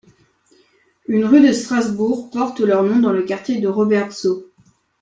Une rue de Strasbourg porte leurs noms dans le quartier de la Robertsau.